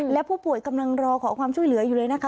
และผู้ป่วยกำลังรอขอความช่วยเหลืออยู่เลยนะคะ